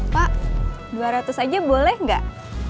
pak dua ratus aja boleh nggak